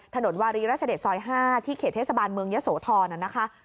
วารีราชเดชซอย๕ที่เขตเทศบาลเมืองยะโสธรนะคะ